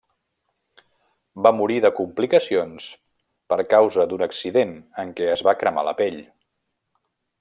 Va morir de complicacions per causa d'un accident en què es va cremar la pell.